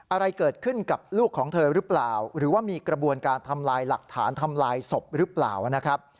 อะไรเกิดขึ้นกับลูกของเธอหรือเปล่าหรือว่ามีกระบวนการทำลายหลักฐานทำลายศพหรือเปล่านะครับ